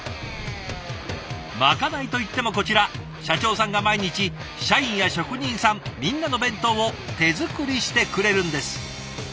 まかないといってもこちら社長さんが毎日社員や職人さんみんなの弁当を手作りしてくれるんです。